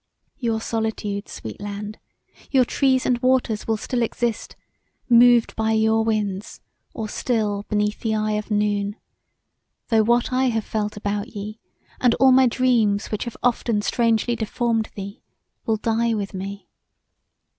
Your solitudes, sweet land, your trees and waters will still exist, moved by your winds, or still beneath the eye of noon, though [w]hat I have felt about ye, and all my dreams which have often strangely deformed thee, will die with me.